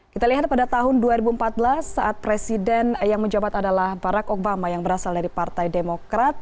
kita lihat pada tahun dua ribu empat belas saat presiden yang menjabat adalah barack obama yang berasal dari partai demokrat